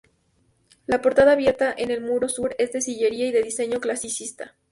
La portada, abierta en el muro Sur, es de sillería y de diseño clasicista.